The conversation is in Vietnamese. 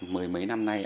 mười mấy năm nay